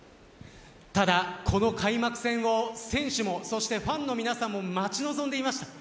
ただ、この開幕戦を選手もファンの皆さんも待ち望んでいました。